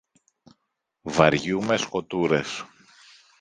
Βαριούμαι σκοτούρες.